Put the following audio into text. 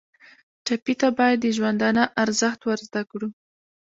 ټپي ته باید د ژوندانه ارزښت ور زده کړو.